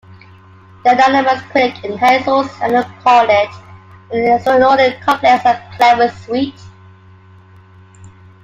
The anonymous critic in Hazell's Annual called it "an extraordinarily complex and clever suite".